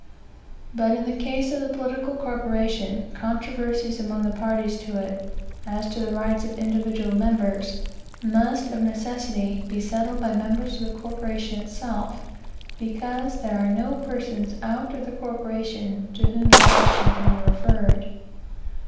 But in the case of the political corporation, controversies among the parties to it, as to the rights of individual members, must of necessity be settled by members of the corporation itself, because there are no persons out of the corporation to whom the question can be referred.